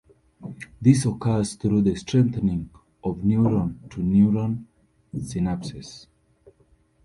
This occurs through the strengthening of neuron-to-neuron synapses.